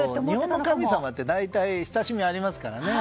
日本の神様って大体、親しみありますからね。